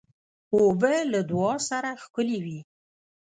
اوبه له دعا سره ښکلي وي.